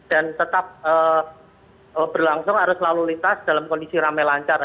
dan tetap berlangsung harus lalu lintas dalam kondisi rame lancar